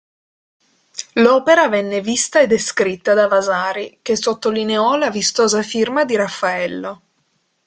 L'opera venne vista e descritta da Vasari, che sottolineò la vistosa firma di Raffaello.